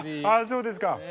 そうですか！